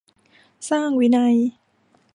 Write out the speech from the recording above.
สร้างวินัย